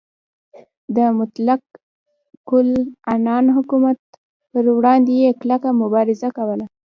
د مطلق العنان حکومت پروړاندې یې کلکه مبارزه کوله.